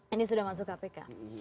ini sudah masuk kpk